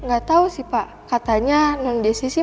gak tau sih pak katanya non desisi